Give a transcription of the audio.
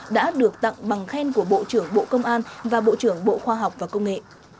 đã được tặng bằng khen của bộ trưởng bộ công an và bộ trưởng bộ khoa học và công nghệ